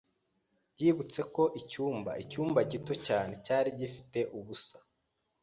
Yibutse ko Icyumba , icyumba gito cyane, cyari gifite ubusa.